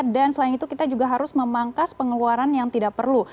dan selain itu kita juga harus memangkas pengeluaran yang tidak perlu